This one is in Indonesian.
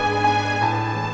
aku pengen hidup